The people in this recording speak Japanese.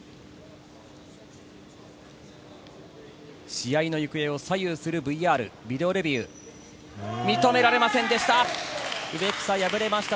試合の行方を左右するＶＲ、ビデオレビュー認められませんでした。